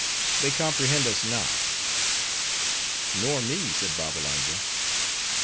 "They comprehend us not." "Nor me," said Babbalanja.